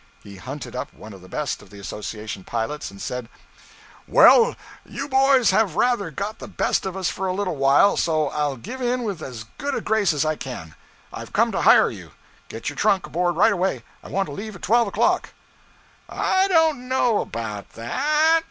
He hunted up one of the best of the association pilots and said 'Well, you boys have rather got the best of us for a little while, so I'll give in with as good a grace as I can. I've come to hire you; get your trunk aboard right away. I want to leave at twelve o'clock.' 'I don't know about that.